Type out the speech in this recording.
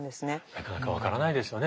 なかなか分からないですよね